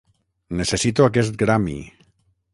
Necessito aquest Grammy.